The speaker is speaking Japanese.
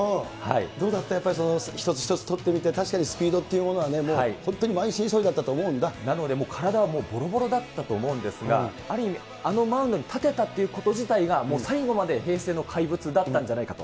どうだった、やっぱり一つ一つとってみて、確かにスピードっていうものは、なので、体はもうぼろぼろだったと思うんですが、ある意味、あのマウンドに立てたっていうこと自体が、もう最後まで平成の怪物だったんじゃないかと。